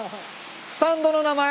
スタンドの名前？